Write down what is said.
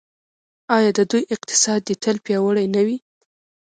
آیا د دوی اقتصاد دې تل پیاوړی نه وي؟